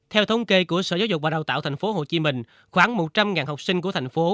theo thống kê của sở giáo dục và đào tạo tp hcm khoảng một trăm linh học sinh của thành phố